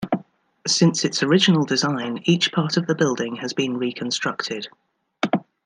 Since its original design, each part of the building has been reconstructed.